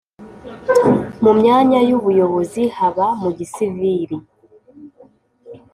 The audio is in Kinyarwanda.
mu myanya y'ubuyobozi haba mu gisivili,